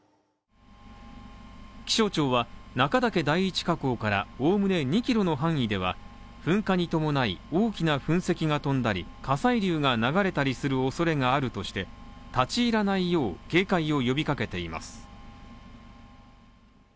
気象庁は、中岳第一火口からおおむね２キロの範囲では、噴火に伴い、大きな噴石が飛んだり、火砕流が流れたりする恐れがあるとして、立ち入らないよう警戒を呼びかけています。